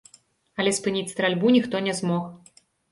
Але спыніць стральбу ніхто не змог.